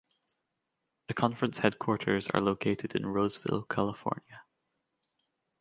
The Conference's Headquarters are located in Roseville, California.